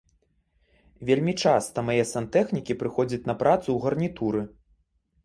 Вельмі часта мае сантэхнікі прыходзяць на працу ў гарнітуры.